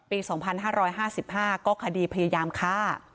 ปี๒๕๕๕ก็คดีพยายามฆ่า